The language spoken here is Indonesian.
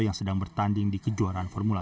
yang sedang bertanding di kejuaraan formula